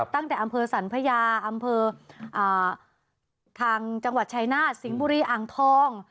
ตั้งแต่อำเภอสรรพญาอำเภอทางจังหวัดชายนาฏสิงห์บุรีอ่างทอง